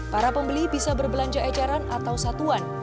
para pembeli bisa berbelanja ecaran atau satuan